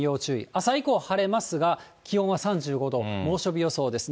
朝以降は晴れますが、気温は３５度、猛暑日予想ですね。